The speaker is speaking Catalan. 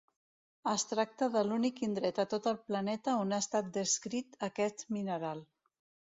Es tracta de l'únic indret a tot el planeta on ha estat descrit aquest mineral.